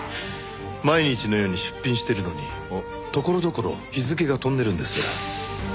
毎日のように出品してるのにところどころ日付が飛んでるんです。